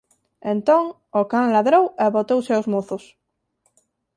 Entón, o can ladrou e botouse aos mozos.